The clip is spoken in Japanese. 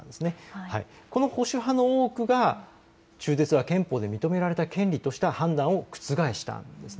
この保守派の多くが中絶は憲法で認められた権利とした判断を覆したんです。